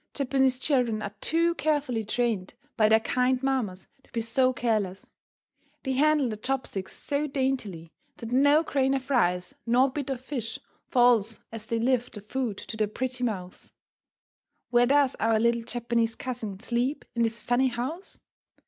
Japanese children are too carefully trained by their kind mammas to be so careless. They handle their chop sticks so daintily that no grain of rice nor bit of fish falls as they lift the food to their pretty mouths. Where does our little Japanese cousin sleep in this funny house?